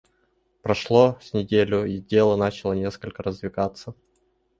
Прошло с неделю, и дело начало несколько раздвигаться.